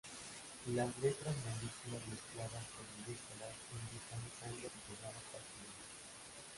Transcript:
Las letras mayúsculas mezcladas con minúsculas indican sangre oxigenada parcialmente.